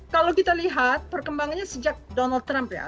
kalau kita lihat perkembangannya sejak donald trump ya